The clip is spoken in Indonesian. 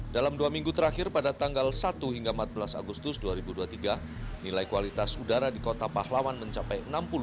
dalam dua minggu terakhir pada tanggal satu hingga empat belas agustus dua ribu dua puluh tiga nilai kualitas udara di kota pahlawan mencapai enam puluh dua